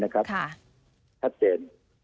ครับเจน